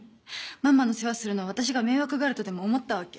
ママの世話するの私が迷惑がるとでも思ったわけ？